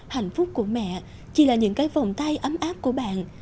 hạnh phúc của mẹ chỉ là những cái vòng tay ấm áp của bạn